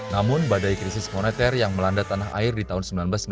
namun badai krisis moneter yang melanda tanah air di tahun seribu sembilan ratus sembilan puluh